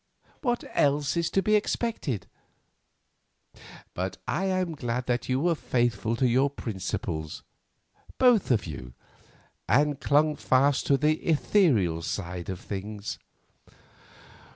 What else is to be expected? But I am glad that you were faithful to your principles, both of you, and clung fast to the ethereal side of things."